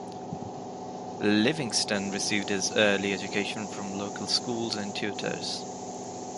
Livingston received his early education from local schools and tutors.